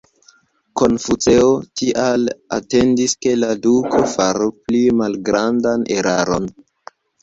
Konfuceo tial atendis ke la duko faru pli malgrandan eraron.